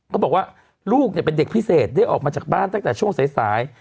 เขาบอกว่าลูกเป็นเด็กพิเศษได้ออกมาจากบ้านตั้งแต่ช่วงสาย